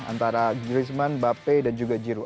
antara griezmann bape dan juga giro